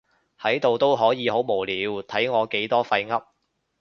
喺度都可以好無聊，睇我幾多廢噏